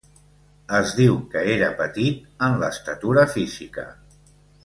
Es diu que era petit en l'estatura física.